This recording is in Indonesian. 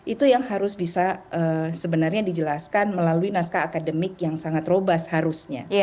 itu yang harus bisa sebenarnya dijelaskan melalui naskah akademik yang sangat roba seharusnya